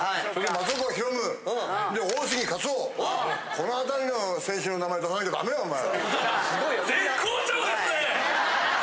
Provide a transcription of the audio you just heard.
この辺りの選手の名前出さなきゃダメよお前。